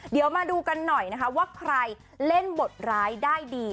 เดี๋ยวมาดูกันหน่อยนะคะว่าใครเล่นบทร้ายได้ดี